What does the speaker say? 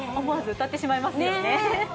思わず歌ってしまいますよね。